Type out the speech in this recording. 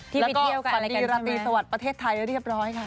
ที่พี่เที่ยวกับอะไรกันใช่ไหมแล้วก็ดีรัติสวัสดิ์ประเทศไทยแล้วเรียบร้อยค่ะ